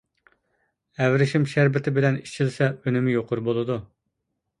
ئەۋرىشىم شەربىتى بىلەن ئىچىلسە ئۈنۈمى يۇقىرى بولىدۇ.